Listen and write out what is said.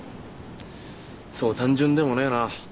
そう単純でもねえな。